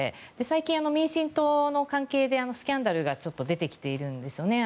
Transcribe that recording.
最近、民進党の関係でスキャンダルが出てきているんですよね。